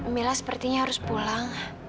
mila sepertinya harus pulang